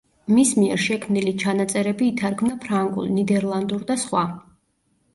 მის მიერ შექმნილი ჩანაწერები ითარგმნა ფრანგულ, ნიდერლანდურ და სხვა.